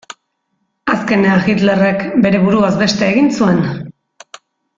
Azkenean Hitlerrek bere buruaz beste egin zuen.